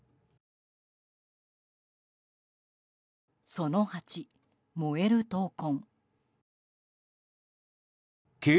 その８、「燃える闘魂」。